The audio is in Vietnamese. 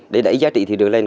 để đẩy giá trị thị trường lên